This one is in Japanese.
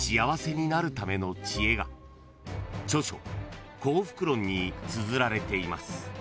［著書『幸福論』につづられています］